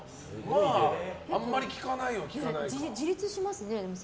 あまり聞かないは聞かないか。